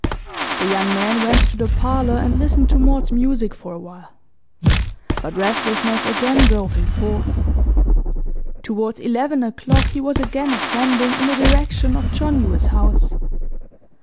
The young man went to the parlour and listened to Maud's music for awhile. But restlessness again drove him forth. Towards eleven o'clock he was again ascending in the direction of John Yule's house.